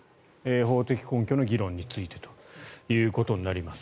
法的根拠の議論についてということになります。